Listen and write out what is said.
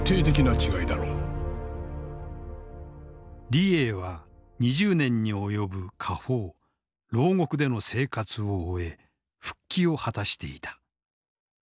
李鋭は２０年に及ぶ下放牢獄での生活を終え復帰を果たしていた。